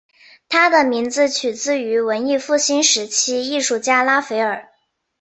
他的名字取自于文艺复兴时期艺术家拉斐尔。